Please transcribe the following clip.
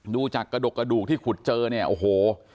ดูจากกระดกกระดูกที่ขุดเจอเนี่ยโอ้โห